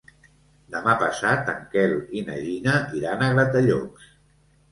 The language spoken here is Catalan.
Demà passat en Quel i na Gina iran a Gratallops.